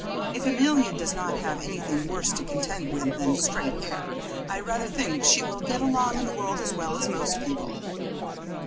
If Amelia does not have anything worse to contend with than straight hair I rather think she will get along in the world as well as most people."